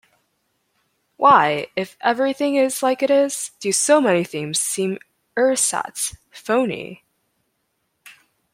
Why, if everything is like it is, do so many things seem ersatz, phoney.